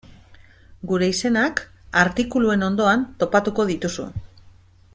Gure izenak artikuluen ondoan topatuko dituzu.